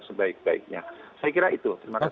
sebaik baiknya saya kira itu